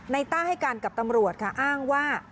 ต้าให้การกับตำรวจค่ะอ้างว่า